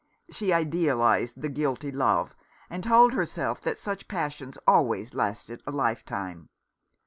She idealized the guilty love, and told herself that such passions always lasted a life time.